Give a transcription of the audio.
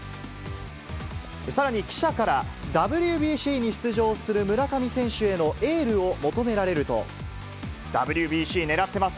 さらに記者から、ＷＢＣに出場する村上選手へのエールを求められると、ＷＢＣねらってます。